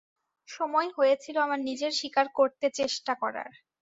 সময় হয়েছিল আমার নিজের শিকার করতে চেষ্টা করার।